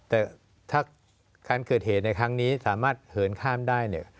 แต่ถ้าการเกิดเหตุในครั้งนี้สามารถเหินข้ามได้เนี่ย